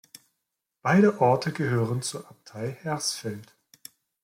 Beide Orte gehörten zur Abtei Hersfeld.